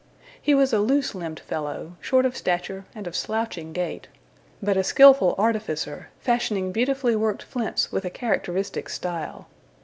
He was a loose limbed fellow, short of stature and of slouching gait, but a skilful artificer, fashioning beautifully worked flints with a characteristic style.